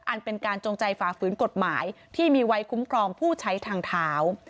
อันเป็นการจงใจฝ่าฝืนกฎหมายที่มีไว้คุ้มครองผู้ใช้ทางเท้า